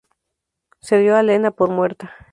Se dio a Lena por muerta.